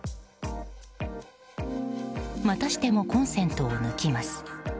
またしてもコンセントを抜きます。